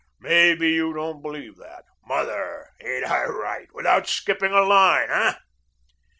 Maybe you don't believe that. Mother, ain't I right without skipping a line, hey?"